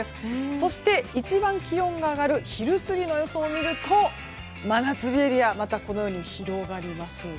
そして一番気温が上がる昼過ぎの予想を見ると真夏日エリアがまた広がります。